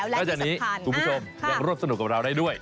แล้วจากนี้คุณผู้ชมยังร่วมสนุกกับเราได้ด้วย